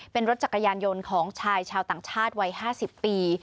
เป็นรถจักรยานยนต์ของชายชาวต่างชาติวัย๕๐ปี